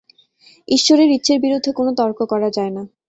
ঈশ্বরের ইচ্ছের বিরুদ্ধে কোন তর্ক করা যায় না!